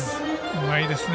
うまいですね。